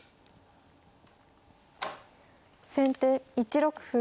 先手１六歩。